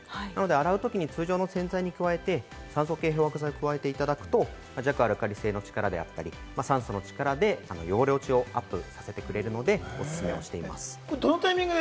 洗うときに通常の洗剤に加えて酸素系漂白剤を加えて弱アルカリ性の力であったり酸素の力で汚れ落ちをアップさせてくれるので重宝しています。